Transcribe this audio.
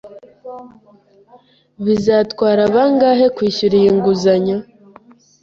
Bizatwara bangahe kwishyura iyi nguzanyo?